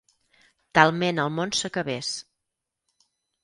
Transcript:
Talment el món s'acabés.